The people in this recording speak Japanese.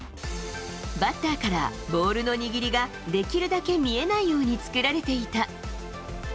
バッターからボールの握りができるだけ見えないように作られていた。